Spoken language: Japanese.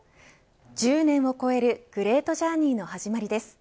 １０年を超えるグレートジャーニーの始まりです。